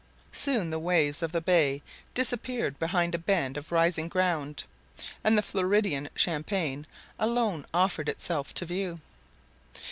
Soon the waves of the bay disappeared behind a bend of rising ground, and the Floridan "champagne" alone offered itself to view.